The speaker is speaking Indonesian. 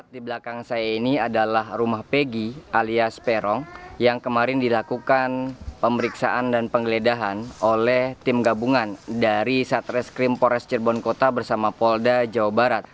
di belakang saya ini adalah rumah pegi alias peron yang kemarin dilakukan pemeriksaan dan penggeledahan oleh tim gabungan dari satreskrim pores cirebon kota bersama polda jawa barat